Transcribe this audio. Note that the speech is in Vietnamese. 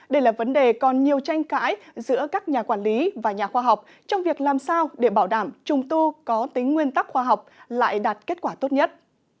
đây là vấn đề còn nhiều tranh cãi giữa các nhà quản lý và nhà khoa học trong việc làm sao để bảo đảm trùng tu có tính nguyên tắc khoa học lại đạt kết quả tốt nhất